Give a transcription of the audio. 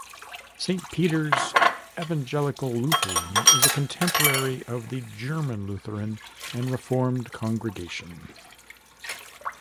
Saint Peter's Evangelical Lutheran is a contemporary of the "German Lutheran and Reformed Congregation".